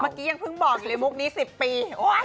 เมื่อกี้ยังเพิ่งบอกเลยมุกนี้๑๐ปี